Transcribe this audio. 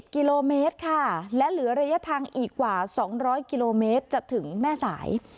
กิโลเมตรค่ะและเหลือระยะทางอีกกว่า๒๐๐กิโลเมตรจะถึงแม่สาย